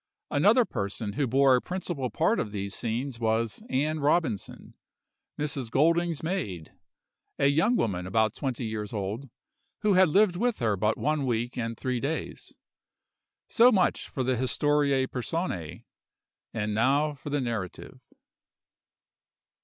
"Another person who bore a principal part in these scenes was Ann Robinson, Mrs. Golding's maid, a young woman about twenty years old, who had lived with her but one week and three days. So much for the historiæ personæ, and now for the narrative.